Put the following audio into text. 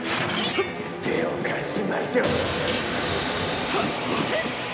手を貸しましょう。